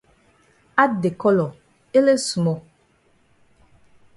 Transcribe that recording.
Add de colour ele small.